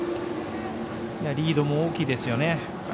リードも大きいですよね。